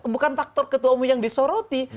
bukan faktor ketua umum yang disoroti